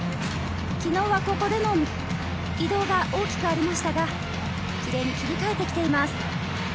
昨日はここで移動が大きくありましたが、キレイに切り替えて来ています。